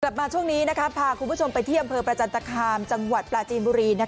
กลับมาช่วงนี้พาคุณผู้ชมไปที่อำเภอประจันตคามจังหวัดปลาจีนบุรี